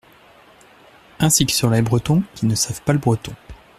Ainsi que sur les Bretons qui ne savent pas le breton.